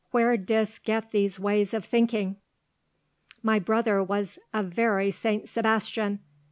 Where didst get these ways of thinking?" "My brother was a very St. Sebastian!